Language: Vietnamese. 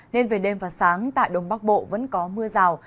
nên về đêm và sáng tại đông bắc bộ vẫn có mưa rào